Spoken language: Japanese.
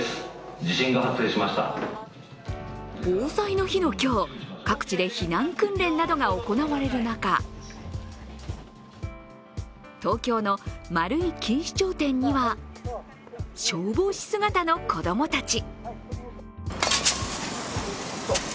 防災の日の今日、各地で避難訓練などが行われる中、東京の丸井錦糸町店には消防士姿の子供たち。